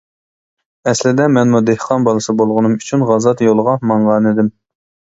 ئەسلىدە مەنمۇ دېھقان بالىسى بولغىنىم ئۈچۈن غازات يولىغا ماڭغانىدىم.